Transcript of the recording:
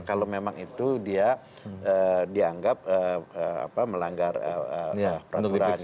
kalau memang itu dia dianggap melanggar peraturan